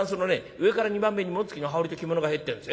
上から２番目に紋付きの羽織と着物が入ってるんです。